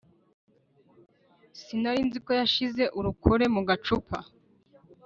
Sinarinziko yashize arukore mu gacupa